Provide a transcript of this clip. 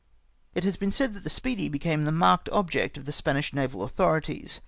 It has been said that the Speedy had become the marked object of the Spanish naval authorities.